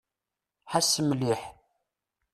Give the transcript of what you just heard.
Ḥess mliḥ.